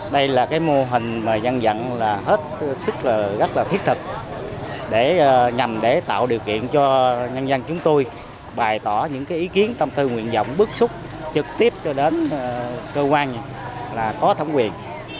đây là cái mô hình mà nhân dân là hết sức là rất là thiết thực để nhằm để tạo điều kiện cho nhân dân chúng tôi bài tỏ những cái ý kiến tâm thư nguyện dọng bước xúc trực tiếp cho đến cơ quan là có thầm quyền